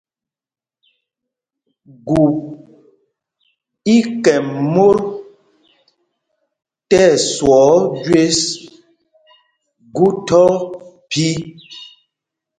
Gup í kɛm mot tí ɛswɔɔ jü gu thɔk phī.